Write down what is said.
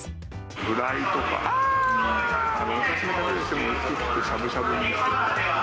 フライとか、お刺身で食べるにしても薄く切ってしゃぶしゃぶにして。